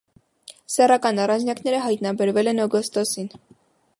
Սեռական առանձնյակները հայտնաբերվել են օգոստոսին։